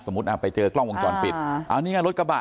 สมมุติอ่ะไปเจอกล้องวงจรปิดอ่าอันนี้ไงรถกระบะ